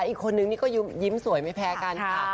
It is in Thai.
อีกคนนึงนี่ก็ยิ้มสวยไม่แพ้กันค่ะ